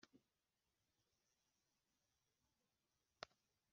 ariko ntimwangarukiye Ni ko Uwiteka avuga